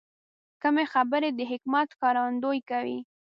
کمې خبرې، د حکمت ښکارندویي کوي.